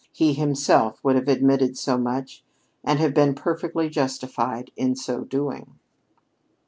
He himself would have admitted so much and have been perfectly justified in so doing.